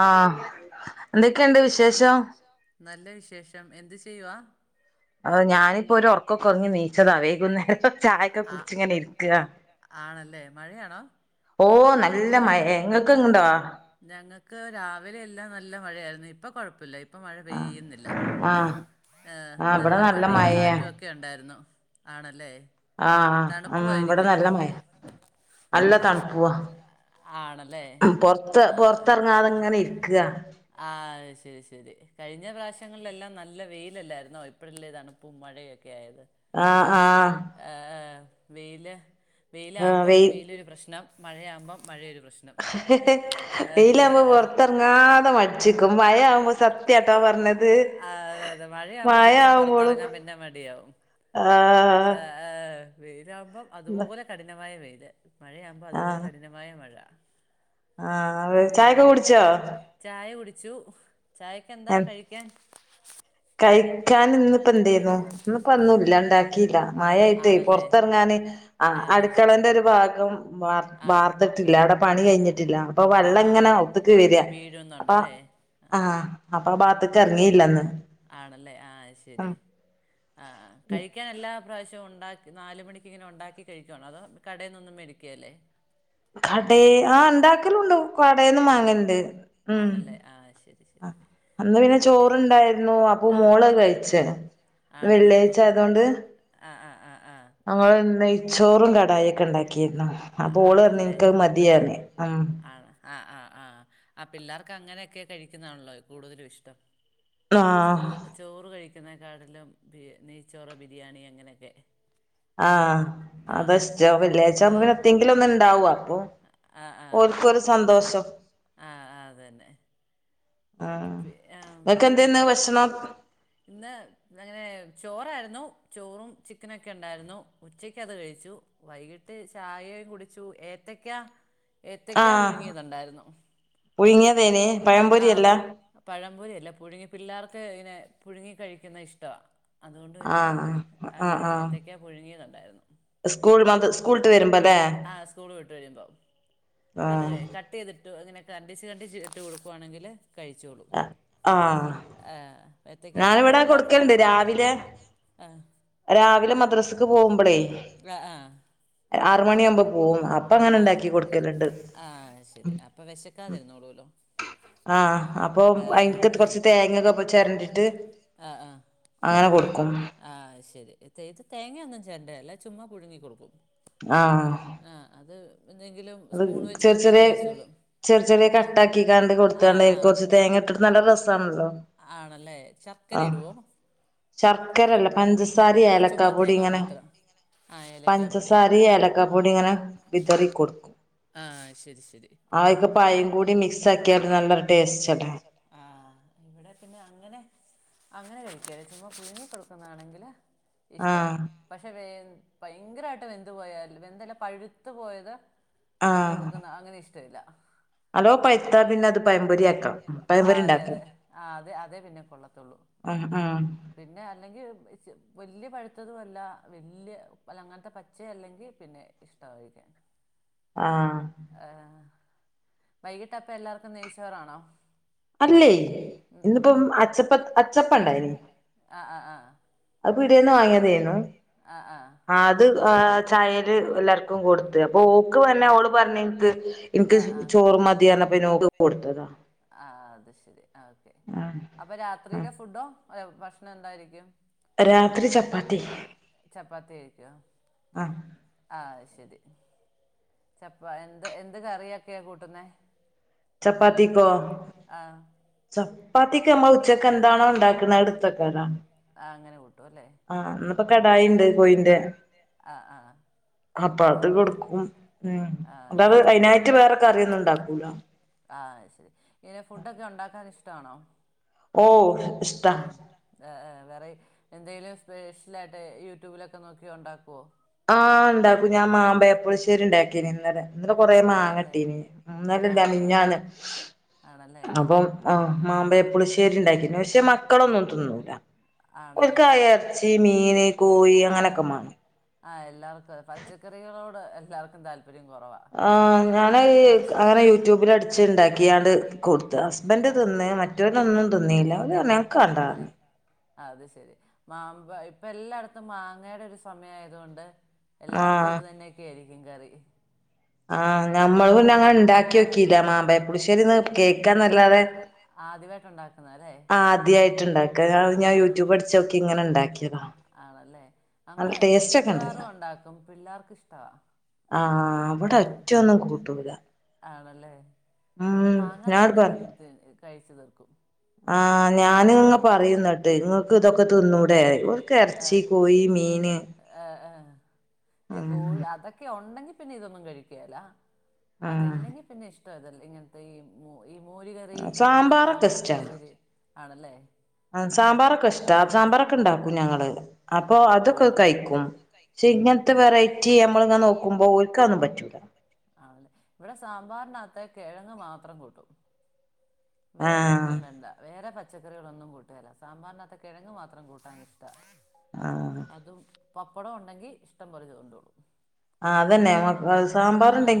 ങാ എന്തൊക്കെയുണ്ട് വിശേഷം യ്യുവാ ആഹ് ഞാനിപ്പോ ഒരൊറൊക്കം ഒക്കെ ഉറങ്ങി എണീച്ചതാ വൈകുന്നേരം ചായക്കെ കുടിച്ചിങ്ങനെ ഇരിക്ക ഓ നല്ല മഴ ഇങ്ങക്ക് അങ്ങുണ്ടവ ഞങ്ങക്ക് രാവിലെ എല്ലാം ന നല്ല മഴയായിരുന്നു ഇപ്പ കൊഴപ്പമില്ല ഇ പ്പ മഴ പെയ്യുന്നില്ല നല്ല മഴയും കാറ്റും ഒക്കെ ഉണ്ടായിരുന്നു ആണല്ലേ ആഹ് ഉം ഇവിടെ നല്ല മയ നല്ല തണുപ്പൂവാ പൊറത്ത് പൊറത്തിറങ്ങാതങ്ങനെ ഇരിക്ക ആഹ് ശരി ശരി കഴിഞ്ഞ പ്രാവശ്യങ്ങളിലെല്ലാം നല്ല വെയിലല്ലാരുന്നോ ഇപ്പഴല്ലേ തണുപ്പും മഴയൊ ക്കെ ആയത് ആ ആ വെയില് വെയിലാവുമ്പം വെയിലൊരു പ്രശ്നം മഴയാവുമ്പം മഴയൊരു വെയിലാവുമ്പൊ പൊർത്തർങ്ങാ തെ മടിച്ച്ക്കും മയാവുമ്പൊ സത്യാ ട്ടാ പറഞ്ഞദ് ആ അതെ അതെ മഴയാവുമ്പോ പിന്നേം പൊറത്തെറങ്ങാൻ പിന്നെ മടിയാവും ആ ആ വെയിലാവുമ്പൊ അതുപോലെ കഠിനമായ വെയ് [unintelligible] മഴയാവുമ്പോ അതുപോലെ കഠിനമായ മഴ ആഹ് ചായൊക്കെ കുടിച്ചോ ച്ചൂ ചായക്കെന്താ കഴിക്കാൻ ക്കാൻ ഇന്ന്പ്പ എന്തെ ര്ന്നു ഇന്ന് ഇപ്പ ഒന്നുല്ലണ്ടാ ക്കീല മയായിട്ടേ പൊറത്തെറങ്ങാന് ആ അടുക്കളന്റെ ഒരു ഭാഗം വാർ വാർത്തിട്ടില്ല അവ്ടെ പണി കയ്ഞ്ഞി ട്ടില്ല അപ്പൊ വെള്ളങ്ങനെ ഔത്ത്ക്ക് വര അപ്പൊ ആ അപ്പൊ ആ ഭാത്ത്ക്ക് എറങ്ങീല്ലന്ന് ആണല്ലേ ആ ശരി ആ കഴിക്കാനല്ല ഇപ്രാവശ്യവും ഉണ്ടാക്കി നാല് മണിക്കിങ്ങനെ ഉണ്ടാക്കി കഴിക്കുവാണോ അതോ കടേന്നൊന്നും മേടിക്കേലേ കടേ ആഹ് ഇണ്ടാക്കലുണ്ട് കടേന്നും മാങ്ങ ല്ണ്ട് ഉം അന്ന് പിന്നെ ചോറ്ണ്ടായിരുന്നു അപ്പൊ മോള് അത് കഴിച്ചെ വെള്ളിയാഴ്ച്ചായതോണ്ട് അങ്ങൾ ഇന്നെയ് ചോറും കടായി ഒക്കെ ഇണ്ടാ [unintelligible] അപ്പ ഓള് പർണ് ഇൻക്ക് അയ് മതി പർണ് ആണ് ആഹ് ആഹ് ആഹ് ആഹ് പിള്ളാർക്ക് അങ്ങനെയൊക്കെ കഴിക്കുന്നാ ആണല്ലോ കൂട്തെലും ഇഷ്ടം. ചോ ചോറ് കഴി ക്കുന്നെ കാട്ടിലും നെയ്ച്ചോറോ ബിരിയാണി അങ്ങനെ ഒക്കെ ആഹ് അതാ ഇഷ്ട്ടം വെള്ളിയാഴ്ചാവുമ്പോ പിന്നെ എത്തെങ്കിലും ഒന്ന് ഇണ്ടാവും അപ്പം ഓ ക്കൊരു സന്തോഷം. ഉം പി ആഹ് പിന്നെ ഇന്ന് അങ്ങനെ ചോറായിരുന്നു ചോറും ചിക്കനൊക്കെ ഒണ്ടായിരുന്നു. ഉച്ചക്ക് അത് കഴിച്ചു. വൈകിട്ട് ചായയും കുടിച്ചു ഏത്തക്കാ ഏത്തയ്ക്കാ പുഴുങ്ങിയതുണ്ടായിരുന്നു തേനി ആഹ് പഴംപൊരിയല്ല പുഴുങ്ങി പിള്ളാർ ക്ക് ഇങ്ങനെ പുഴുങ്ങി കഴിക്ക്ന്നെ ഇഷ്ടവാ അതുകൊണ്ട് തന്നെ അങ്ങനെ എത്തക്കാ പുഴുങ്ങിയതുണ്ടാരുന്നു. സ്നാ ആഹ് സ്കൂള് വിട്ട് വര്മ്പം അത് കഴി കട്ടെയ്തി ട്ടു അങ്ങനെ കണ്ടിച്ച് കണ്ടിച്ച് ഇട്ട് കൊടു ക്കുവാണെങ്കില് കഴിച്ചോളും ആഹ് ഏഹ് ഞാന് ഇവടെ കൊട്ക്കല്ണ്ട് രാവിലെ ആഹ് രാവിലെ മ ദ്രസ്ക്ക് പോവുമ്പളേ ആറ് മണിയാവുമ്പം പോവും അ ആഹ് ആഹ് ശരി അപ്പൊ വെശക്കാതിരുന്നോളൂലോ. അപ്പോം അയിക്ക് കുറച്ച് തേങ്ങ്യക്കെ ചെരണ്ടിട്ട് അങ്ങനെ കൊട് ആഹ് ശരി എ തേക്ച്ച് തേങ്ങയൊന്നും ചെരണ്ട്കേല്ല ചുമ്മാ പുഴുങ്ങി കൊടുക്കും ആഹ് അത് അത് ചെറ് ചെറ്യേ ചെർ ചെറീയെ കട്ടാക്കികാണ്ട് കൊടുത്താണ്ട് അയിക് കുറച്ച് തേങ്ങ ഇട്ടിട്ട് നല്ല രസ്സാണല്ലോ ആണല്ലേ ചക്കര ഇടുവോ ശർക്കരല്ല പഞ്ചസ പഞ്ചസാരിം ഏലക്കാ പൊടി ങ്ങനെ പഞ്ചസാരിം ഏലക്കാ പൊടി ഇങ്ങനെ വിതറി കൊടുക്കും ആ ശരി ശരി ഇവിടെ പിന്നെ അങ്ങനെ അങ്ങനെ കഴിക്കേല ചുമ്മ പുഴുങ്ങി കൊടുക്കുന്നാണെങ്കില് ഇഷ്ട പക്ഷേ വേ പയങ്കരവായിട്ട് വെന്തു പോയാല് വെന്തല്ല പഴുത്തു പോയത് കൊടുക്കുന്ന അങ്ങനെ ഇഷ് ട്ടില്ല ആ അതെ അതെ ആ അതെ അതെ പിന്നെ കൊളത്തൊള്ളൂ പിന്നെ അല്ലെങ്കി വല്യ പഴു ത്തതുഅല്ല വല്യ അല്ല അങ്ങനത്തെ പച്ച അല്ലെങ്കി പിന്നെ ഇഷ്ട്ടാവില്ല ആ വൈകിട്ടപ്പോ എല്ലാർക്കും നെയ്‌ച്ചോരാണോ അല്ലേ ഇന്നിപ്പം അച്ചപ്പ അച്ചപ്പം ഇണ്ടായിനി പിടികെന്ന് വാങ്ങിയതെന്നു ആ അത് ആ ചായല് എല്ലാർക്കും കൊടുത്ത് അപ്പൊ ഓക്ക് തന്നെ ഓള് പറഞ്ഞ് എനിക്ക് എനിക്ക് ചോറ് മതി യെന്ന് പറഞ്ഞപ്പം ഓൾക്ക് കൊടുത്തതാ ആ ഓക്കെ അപ്പൊ രാത്രിയിലെ ഫുഡോ അതെ ഭക്ഷണം എന്തായിരിക്കും രാത്രി ചപ്പാത്തി ചപ്പാത്തി ആയിരിക്കോ ആ ശെരി ചപ്പ എന്ത് എന്ത് കറിയൊക്കെയാ കൂട്ടുന്നേ ചപ്പാത്തിക്കോ ച പ്പാത്തിക്ക് നമ്മള് ഉച്ചക്ക് എന്താണോ ഒണ്ടാക്കണത് അതെടുത്ത് വെക്കലാ ആ അപ്പൊ കടായിണ്ട് കോഴിന്റെ അപ്പൊ അത് കൊടുക്കും അത് അതിനായിട്ട് വേറെ കറിയൊന്നും ഉണ്ടാക്കൂലാ ആഹ് ശെരി ഇങ്ങനെ ഫുഡ് ഒക്കെ ഉണ്ടാക്കാ ഇഷ്ട്ടാണോ വെറെ എന്തേലും സ്പെഷെലായി ഏഹ് യൂട്യൂബിലൊക്കെ നോക്കി ഒണ്ടാക്കുവോ ആഹ് ഇണ്ടാക്കും ഞാൻ മാമ്പയപുളിശ്ശേരി ഇണ്ടാക്കി ഇന്നലെ ന്നലെ കൊറ മാങ്ങട്ടീനി ഇന്നലെല്ല, മിഞ്ഞാന്ന് അപ്പം ആ മാമ്പഴ പുളിശ്ശേരി ഉണ്ടാക്കിനി പക്ഷെ മക്കളൊന്നും തിന്നൂല ഒല്ക്ക് ആ ഇറച്ചി, മീന്, കോഴി അങ്ങനെയൊക്കെ മാണം. ആഹ് എല്ലാർക്കും അതെ പച്ചക്കറികളോട് എല്ലാർക്കും താൽ തിരിം കൊറവാ ആ ഞാന ക്ക അങ്ങനെ യൂറ്റൂബ് ലടിച്ച് ണ്ടാക്കിയാണ്ട് കൊടുത്ത് ഹസ്ബന്റ് തിന്ന് മറ്റൊലൊന്നു ത്ത്ന്നീല്ല ഒന്ന് പർഞ്ഞ് ഞക്കാണ്ട അത് ശെരി മാമ്പ ഇപ്പ എല്ലായിടത്തും മാങ്ങയ്ടെ ഒരു സമയായതൊണ്ട് എല്ലാടത്തും ഇത് തന്നെയൊക്കെയായിരി ഇ ങ്കറി ആഹ് ഞമ്മള് പിന്നെ അങ്ങെനെ ണ്ടാക്കിഓക്കിയില്ല മാമ്പയപ്പുളിശ്ശേരിന്ന് കേക്കാന്നല്ലാതെ ആ ത് റ്റ്ണ്ടാ [unintelligible] ഞാ യൂട്യൂബ് അടിച്ചോക്കി ഇങ്ങനെ ണ്ടാക്കിയതാ. അങ്ങള് മിക്കവാറും ഒണ്ടാക്കും പിള്ളേർക്ക് ഇഷ്ടവാ. ആഹ് ആണല്ലേ ഇവിടെ മാങ്ങാ തന്നെ [unintelligible] കഴിച്ചു തീർക്കും. ആ ഞാന്ങ്ങ പറയുന്നട്ട് നിങ്ങക്ക് ഇതൊക്കെ തിന്നൂ [unintelligible] ക്കെ എർച്ചി കോഴി മീ ആഹ് ആഹ് ഏ കോഴ അതൊക്കെ ഒണ്ടെങ്കി പിന്നെ ഇതൊന്നും കഴിക്കേലാ അതല്ലെങ്കി പിന്നെ ഇഷ് [unintelligible] ഇങ്ങനത്തെ ഈ മൂ സാമ്പാറൊക്കെ ഇസ്ടാ സാമ്പാറൊക്കെ ഇഷ്ടാ സാമ്പാറൊക്കെ ഇണ്ടാക്കൂ ഞങ്ങള്. അപ്പൊ അതൊക്കെ കഴിക്കും ക്ഷെ ഇങ്ങൻത്ത വെറൈറ്റി നമ്മള് ഇങ്ങന നോക്കുമ്പോ ഓൽക്കഒന്നും പറ്റൂല. ങ്ങ് മാത്രം കൂട്ടും വേറൊന്നും വേണ്ട വേറെ പ ച്ചക്കറികളൊന്നും കൂട്ടേല സാമ്പാറിനാത്തെ കെഴങ്ങ് മാത്രം കൂട്ടാൻ ഇഷ്ടാ. അതും പപ്പട ഒണ്ടെങ്കിൽ ഇഷ്ടംപോലെ ചോറുണ്ടോളും. ആഹ്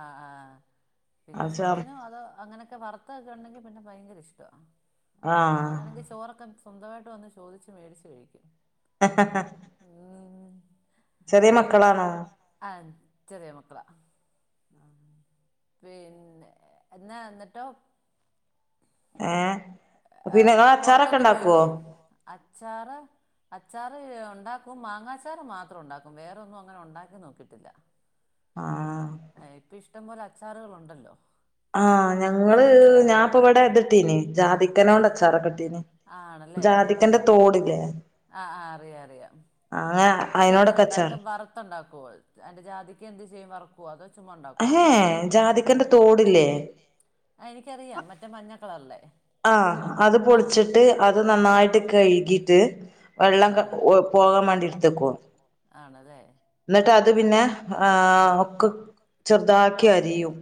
ആ ആ പിന്നെ ചിക്കനോ അതോ അങ്ങനെക്കെ വർത്തൊക്കെ ണ്ടെങ്കിൽ പിന്നെ ഭയങ്കര ഇഷ്ടാ അതാണെങ്കി ചോറൊക്കെ സ്വന്താ യിട്ട് നെ വന്ന് ചോദിച്ചു നെ മേടിച്ച് കഴിക്കും. ഹ്ഹഹ ചെറിയ മക്കളാണാ? ചെറിയ മക്കളാ പിന്നെ എന്നാ എന്നിട്ടോ ഏഹ് ഹ് പൊറത്തൊന്നും പോയില്ലേ? അ ച്ചാറ് അച്ചാറ് ഒണ്ടാക്കും മാങ്ങാ അച്ചാർ മാത്രം ഒണ്ടാക്കും. വേറൊന്നും അങ്ങനെ ഉണ്ടാക്കി നോക്കിട്ടില്ല. അയെ പിഷ്‌ ടം പോലെ അച്ചാറുകളുണ്ടല്ലോ. ആ ഞങ്ങള് ഞാപ്പൊവടെ ഇതിട്ടീനി ജാതിക്കനോണ്ടച്ചാറക്കെട്ടീനി. ജാതിക്കന്റെ തോടില്ലേ ആഹ് അതെങ്ങനെ ഒണ്ടാക്കും? വറുത്തൊണ്ടാക്കുവോ അയിന്റെ ജാതിക്കഎന്ത് ചെയ്യും? വറുക്കുവോ? അതോ എഹേ ജാതിക്കന്റെ തോടില്ലേ ആഹ് അത് പൊളിച്ചിട്ട് അത് നന്നായിട്ട് കഴുകിട്ട് വെള്ളം ക പോകാൻ മാണ്ടിട്ത്തക്കും. ആണല്ലെ. എന്നിട്ട് അത് പിന്നെ ആ ഒക്കെ ചെർതാക്കി അരിയും.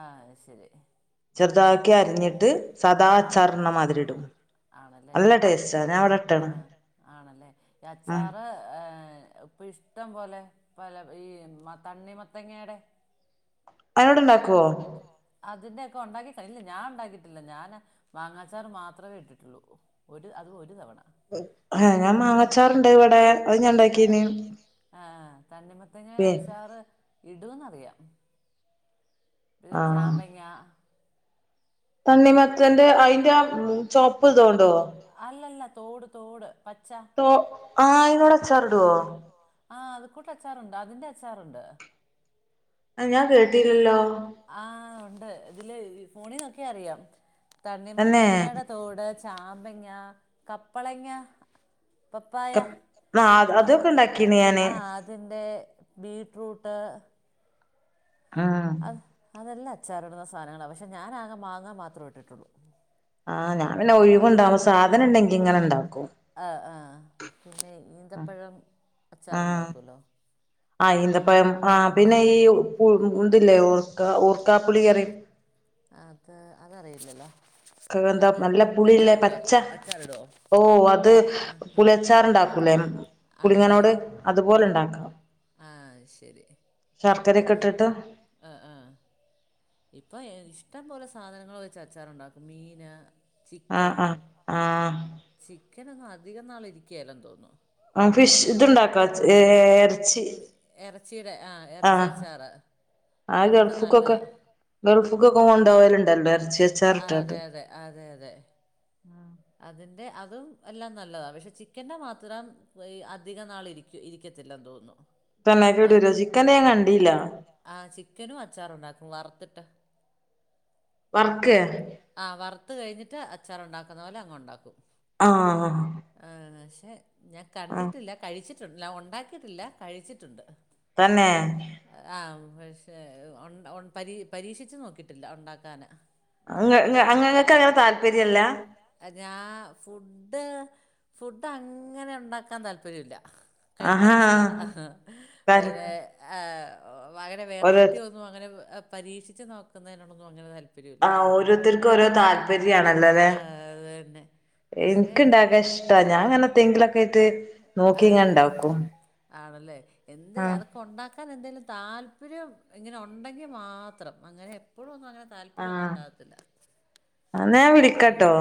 ആഹ് ശരി. ചെർതാക്കി അരിഞ്ഞിട്ട് സദാച്ചാറ്ട് ണമാതിരി ഇടും. നല്ല ടേസ്റ്റ ഞാ വിടെ ഇട്ട്ണ് ഉം. ഇപ്പ ഇഷ്ടം പോലെ പല ഈ മ തണ്ണി മത്തങ്ങേടെ അയ്നോട് ണ്ടാക്കോ? അതിന്റെ ഒക്കെ ഒണ്ടാക്കി [unintelligible] ഞാൻ ഒണ്ടാക്കി ഇട്ടില്ല ഞാന് മാങ്ങാച്ചാർ മാത്രവേ ഇട്ടിട്ടുള്ളൂ. ഒരു അത് ഒരു തവണ. ആ ഞാ മാങ്ങച്ചാറ്ണ്ട് ഇവടെ. ആഹ് ആഹ്. ഞാ ണ്ടാക്കിന് ആ തണ്ണി മത്തങ്ങ അച്ചാറ് ഇടോന്ന് റിയാ. ചാമ്പങ്ങ തണ്ണിമത്തന്റെ അയ്ന്റെ ആ ചോപ്പ് ഇതൊണ്ടോ? തോട് തോട്. തൊ ആ അയ്നോടച്ചാറ്ടോ? ആ അത് കൂട്ട് അച്ചാറുണ്ട്. അതിന്റെ അച്ചാറുണ്ട്. അത് ഞാൻ കേട്ടില്ലല്ലോ ആ ഒണ്ട് ഇതില് ഫോണി നോക്കിയാ അറിയാം തണ്ണിമത്തങ്ങേടെ തോട ചാമ്പങ്ങ, കപ്പളങ്ങ പപ്പായ ആ അതിന്റെ ബീട്രൂട്ട്. അത് അതല്ല അച്ചാറിടുന്ന സാധനങ്ങളാ പക്ഷെ ഞാനാകെ മാങ്ങ മാത്രേ ഇട്ടിട്ടുള്ളൂ. ആഹ് ഞാൻ പിന്നെ ഒഴിവുണ്ടാവു സാധനണ്ടെങ്കി- ഇങ്ങനെണ്ടാക്കും ആഹ് ആഹ് അത് അതറിയില്ലല്ലോ എന്താ നല്ല പുളില്ലേ പച്ച ഓ അത് പുളി അച്ചാറ് ഉണ്ടാക്കുലെ പുളിങ്ങനോട് അതുപോലെ ഇണ്ടാക്കാം ശർക്കരയൊക്കെ ഇട്ടിട്ട് ഇപ്പൊ ഇഷ്ടം പോലെ സാധനങ്ങള് വെച്ച് അച്ചാറ് ഇണ്ടാക്കും മീന് ആഹ് ആഹ് ആഹ് ചിക്കനൊന്നും അധികനാൾ ഇരിക്കേലാന്ന് തോന്നുന്നു. എറച്ചീടെ ആഹ് എറച്ചിയച്ചാറ് അതൊക്കെ നല്ലതാ ഗൾഫ്ക്കൊക്കെ കൊണ്ടോവല്ണ്ടല്ലോ എറച്ചിഅച്ചാറ് ഇട്ടാണ്ട് അതിന്റെ അതും എല്ലാം നല്ലതാ. പക്ഷെ ചിക്കന്റെ മാത്രം അധിക നാൾ ഇരിക്ക് ഇരിക്കത്തില്ലെന്ന് തോന്നുന്നു. ബാക്കി ആ ചിക്കനും അച്ചാറുണ്ടാക്കും വറ്ത്തിട്ട്. വറുക്കേ? ആഹ് വറുത്ത് കഴിഞ്ഞിട്ട് അ അച്ചാറുണ്ടാ ക്കുന്ന പോലെ അങ്ങ് ഉണ്ടാക്കും. ആഹ് എ ഞാ കണ്ടിട്ടില്ല കഴിച്ചി ല്ല ഉണ്ടാക്കിട്ടില്ല കഴിച്ചിട്ട്ണ്ട്. തന്നെ പക്ഷേ ഒണ്ട് ഒണ്ടാ പരീ പരീക്ഷിച്ച് നോക്കിട്ടില്ല ഒണ്ടാക്കാന് അഹ് ങ്ങ് ങ്ങ് ഇങ്ങങ്ങക്കങ്ങനെ താല്പര്യല്ല? ഞാ ഫുഡ് ഫുഡ് അങ്ങനെ ഉണ്ടാക്കാൻ താല്പര്യ ഇല്ല. കഴിക്കാൻ ഇഷ്ടവാ ഹ ഹ വേ ആഹ് വങ്ങനെ വെറൈറ്റി ഒന്നും അങ്ങനെ അപ് പരീക്ഷിച്ച് നോക്കുന്നതിനോടൊന്നും അങ്ങനെ തൽ ആഹ് ഓരോത്തര് ക്കൊരോ താല്പര്യാണല്ലോ ലേ. ഇനിക്ക്ണ്ടാക്കാഷ്ട്ടാ. ഞാങ്ങനത്തെങ്കിലൊക്കായിറ്റ് നോക്കിങ്ങൻണ്ടാക്കും. ആണല്ലേ. എന്തേ അതൊക്കെ ഉണ്ടാക് കാൻ എന്തെലും താല്പര്യം ഇങ്ങനെ ഉണ്ടെങ്കി മാത്രം അങ്ങനെ എപ്പഴൊന്നും അങ്ങനെ താല്പര്യം ഒന്നും ഒണ്ടാകത്തില്ല. ആഹ് ന്നാ ഞാൻ വിളിക്കാട്ടോ.